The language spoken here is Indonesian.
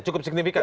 cukup signifikan ya